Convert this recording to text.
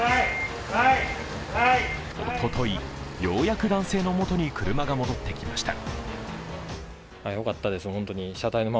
おととい、ようやく男性のもとに車が戻ってきました。